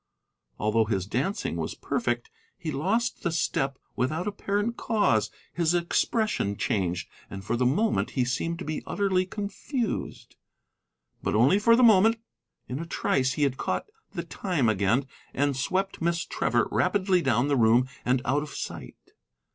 Although his dancing was perfect, he lost the step without apparent cause, his expression changed, and for the moment he seemed to be utterly confused. But only for the moment; in a trice he had caught the time again and swept Miss Trevor rapidly down the room and out of sight.